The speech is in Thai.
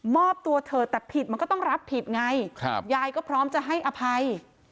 ตัวเถอะแต่ผิดมันก็ต้องรับผิดไงยายก็พร้อมจะให้อภัย